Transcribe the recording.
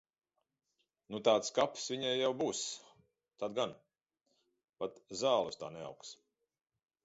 Nu tāds kaps viņai jau būs, tad gan. Pat zāle uz tā neaugs.